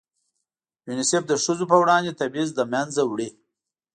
یونیسف د ښځو په وړاندې تبعیض له منځه وړي.